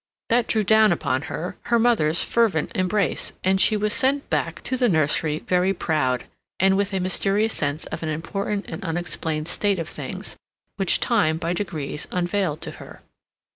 That drew down upon her her mother's fervent embrace, and she was sent back to the nursery very proud, and with a mysterious sense of an important and unexplained state of things, which time, by degrees, unveiled to her.